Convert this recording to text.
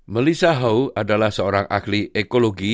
melissa haw adalah seorang ahli ekologi